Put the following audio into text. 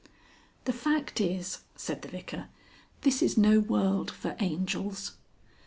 XLV. "The fact is," said the Vicar, "this is no world for Angels."